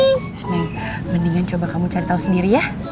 neng mendingan coba kamu cari tau sendiri ya